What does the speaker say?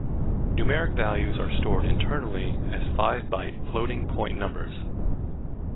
Numeric values are stored internally as five-byte floating point numbers.